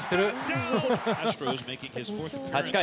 ８回。